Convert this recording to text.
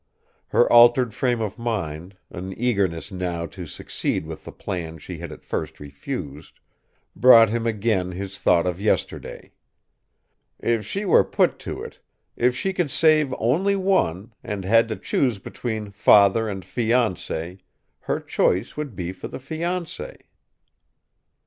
Her altered frame of mind, an eagerness now to succeed with the plan she had at first refused, brought him again his thought of yesterday: "If she were put to it if she could save only one and had to choose between father and fiancé, her choice would be for the fiancé."